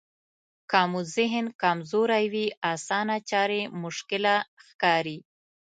که مو ذهن کمزوری وي اسانه چارې مشکله ښکاري.